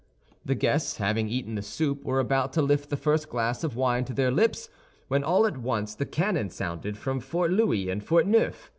The guests having eaten the soup, were about to lift the first glass of wine to their lips, when all at once the cannon sounded from Fort Louis and Fort Neuf.